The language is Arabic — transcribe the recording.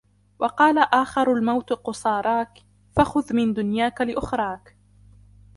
وَقَالَ آخَرُ الْمَوْتُ قُصَارَاك ، فَخُذْ مِنْ دُنْيَاك لِأُخْرَاك